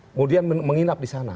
kemudian menginap di sana